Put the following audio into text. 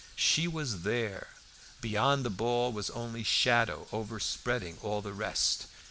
She was there; beyond the ball was only shadow overspreading all the rest.